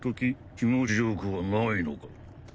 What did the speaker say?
気持ちよくはないのか？